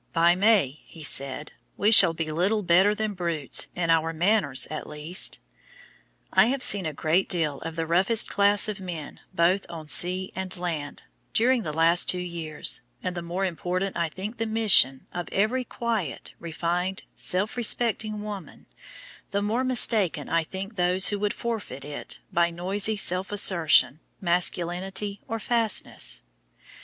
"By May," he said, "we shall be little better than brutes, in our manners at least." I have seen a great deal of the roughest class of men both on sea and land during the last two years, and the more important I think the "mission" of every quiet, refined, self respecting woman the more mistaken I think those who would forfeit it by noisy self assertion, masculinity, or fastness.